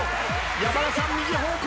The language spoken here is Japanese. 山田さん右方向。